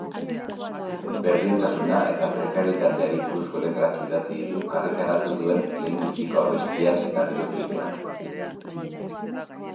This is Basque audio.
Berdintasuna eta prekarietateari buruzko letrak idatzi ditu karrikaratu duen lehenbiziko abestian eta bideoklipean.